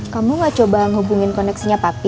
kamu nggak coba menghubungi koneksinya papi